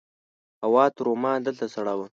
هوا تر عمان دلته سړه وه.